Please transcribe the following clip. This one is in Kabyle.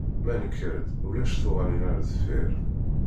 Ma nekker-d ulac tuɣalin ar deffir.